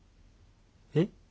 えっ？